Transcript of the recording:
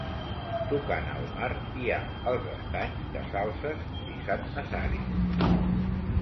Tocant al mar hi ha els estanys de Salses i Sant Nazari.